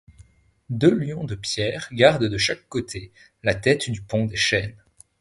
Deux lions de pierre gardent, de chaque côté, la tête du pont des Chaînes.